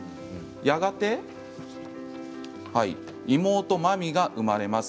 やがて妹マミが生まれます。